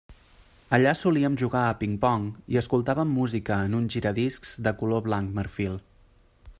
Allà solíem jugar a ping-pong i escoltàvem música en un giradiscs de color blanc marfil.